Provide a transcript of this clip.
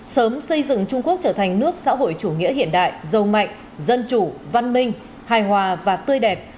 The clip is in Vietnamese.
sớm xây dựng trung quốc trở thành nước xã hội chủ nghĩa hiện đại giàu mạnh dân chủ văn minh hài hòa và tươi đẹp